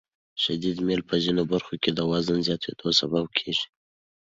شدید میل په ځینو برخو کې د وزن زیاتېدو سبب کېږي.